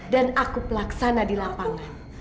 dan aku pelaksana di lapangan